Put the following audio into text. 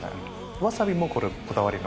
わさびもこれ、こだわりの？